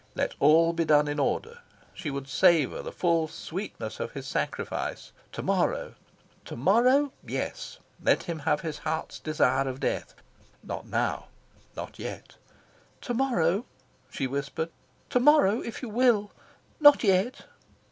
Let all be done in order. She would savour the full sweetness of his sacrifice. Tomorrow to morrow, yes, let him have his heart's desire of death. Not now! Not yet! "To morrow," she whispered, "to morrow, if you will. Not yet!"